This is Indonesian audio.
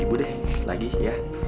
dua puluh ribu deh lagi ya